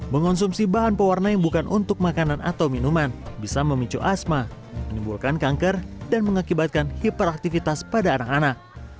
mengonsumsi bahan pewarna yang bukan untuk makanan atau minuman bisa memicu asma menimbulkan kanker dan mengakibatkan hiperaktifitas pada anak anak